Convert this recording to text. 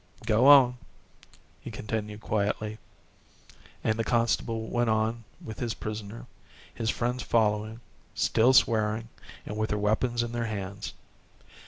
"Go on," he continued quietly, and the constable went on with his prisoner, his friends following, still swearing and with their weapons in their hands.